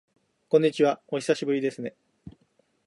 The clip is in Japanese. こんにちは、お久しぶりですね。